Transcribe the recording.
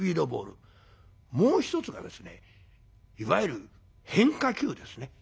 もう一つがですねいわゆる変化球ですね。